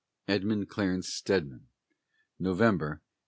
EDMUND CLARENCE STEDMAN. November, 1859.